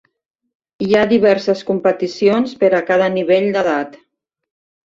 Hi ha diverses competicions per a cada nivell d'edat.